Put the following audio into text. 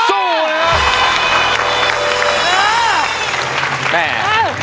สู้ครับ